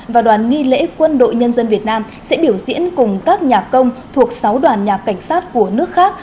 và đoàn nghi lễ quân đội nhân dân việt nam sẽ biểu diễn cùng các nhà công thuộc sáu đoàn nhà cảnh sát của nước khác